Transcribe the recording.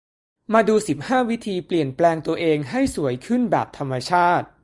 มาดู สิบห้า วิธีเปลี่ยนแปลงตัวเอง ให้สวยขึ้นแบบธรรมชาติ